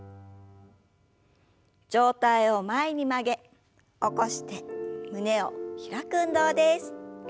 上体を前に曲げ起こして胸を開く運動です。